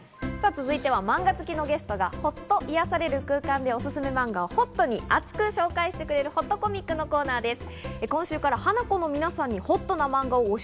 続いてはマンガ好きのゲストがほっと癒やされる空間でおすすめ漫画をほっとに熱く紹介してくれる、ほっとコミックのコーナーです。